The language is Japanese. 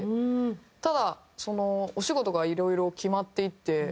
ただお仕事がいろいろ決まっていって。